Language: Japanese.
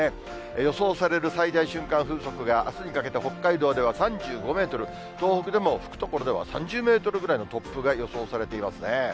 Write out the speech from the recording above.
予想される最大瞬間風速が、あすにかけて北海道では３５メートル、東北でも吹く所では３０メートルぐらいの突風が予想されていますね。